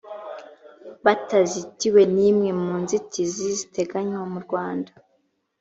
batazitiwe n imwe mu nzitizi ziteganywa murwanda